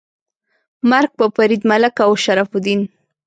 مرګ په فرید ملک او شرف الدین. 🤨